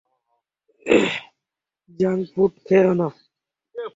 Junk food খেয়ো না।